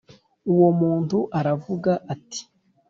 Uwo muntu aravuga ati